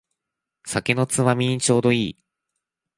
酒のつまみにちょうどいい